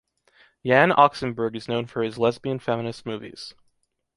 Jan Oxenberg is known for his lesbian feminist movies.